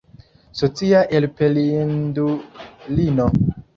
Socia elpelindulino!